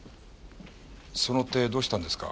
その手どうしたんですか？